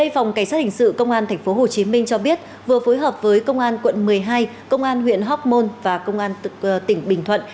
phòng cảnh sát hình sự công an tp hcm cho biết vừa phối hợp với công an quận một mươi hai công an huyện hóc môn và công an tỉnh bình thuận